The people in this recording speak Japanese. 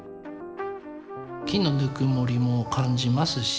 木のぬくもりも感じますし。